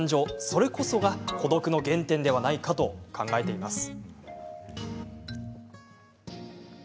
それこそが孤独の原点ではないかと考えています。